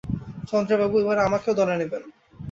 চন্দ্রবাবু, এবারে আমাকেও দলে নেবেন।